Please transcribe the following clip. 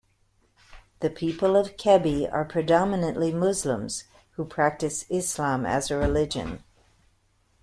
The people of Kebbi are predominantly Muslims who practice Islam as a religion.